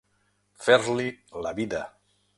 Fer-li la vida.